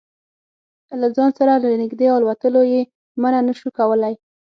له ځان سره له نږدې الوتلو یې منع نه شو کولای.